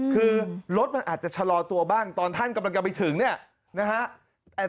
คือรถมันอาจจะชะลอตัวบ้างตอนท่านกำลังจะไปถึงเนี่ยนะฮะ